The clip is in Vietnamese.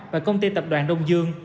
và công ty tập đoàn đông dương